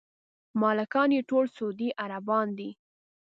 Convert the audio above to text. مالکان یې ټول سعودي عربان دي.